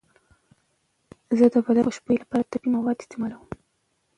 زه د بدن د خوشبویۍ لپاره طبیعي مواد استعمالوم.